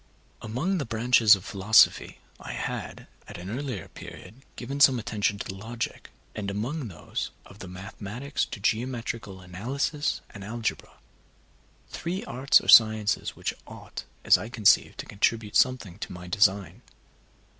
Among the branches of philosophy, I had, at an earlier period, given some attention to logic, and among those of the mathematics to geometrical analysis and algebra, three arts or sciences which ought, as I conceived, to contribute something to my design.